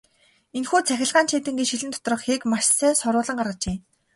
Энэхүү цахилгаан чийдэнгийн шилэн доторх хийг маш сайн соруулан гаргажээ.